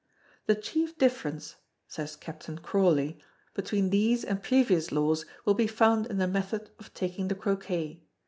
The chief difference (says Captain Crawley) between these and previous laws will be found in the method of taking the Croquet.